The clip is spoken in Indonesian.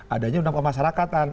adanya undang kemasyarakatan